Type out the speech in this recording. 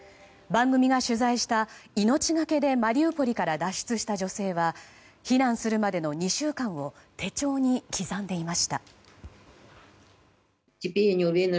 番組が取材した命がけでマリウポリから脱出した女性は避難するまでの２週間を手帳に刻んでいました。